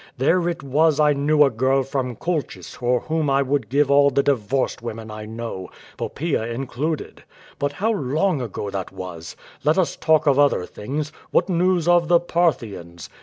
There it was I knew a girl from Colchis for whom I would give all the divorced wpmen I know — Poppaea included. But how long ago that was! Let us talk of other things: what news of the Parthians?